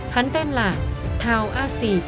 hắn tên là thào a sì